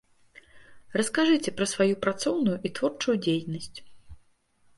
Раскажыце пра сваю працоўную і творчую дзейнасць.